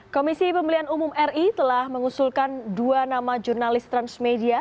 komisi pemilihan umum ri telah mengusulkan dua nama jurnalis transmedia